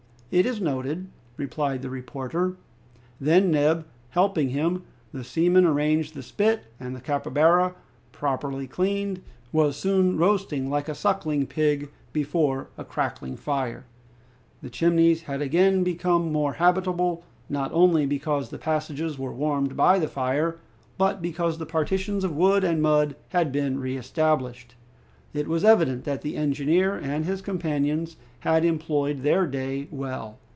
"It is noted," replied the reporter. Then, Neb helping him, the seaman arranged the spit, and the capybara, properly cleaned, was soon roasting like a suckling pig before a clear, crackling fire. The Chimneys had again become more habitable, not only because the passages were warmed by the fire, but because the partitions of wood and mud had been re established. It was evident that the engineer and his companions had employed their day well.